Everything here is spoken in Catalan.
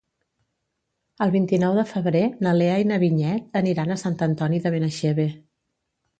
El vint-i-nou de febrer na Lea i na Vinyet aniran a Sant Antoni de Benaixeve.